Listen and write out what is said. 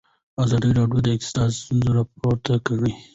ازادي راډیو د اقتصاد ستونزې راپور کړي.